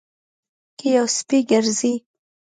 په کوڅه کې یو سپی ګرځي